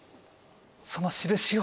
そのしるしを？